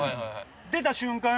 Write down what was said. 出た瞬間